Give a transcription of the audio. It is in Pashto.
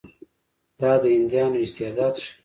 دا د هندیانو استعداد ښيي.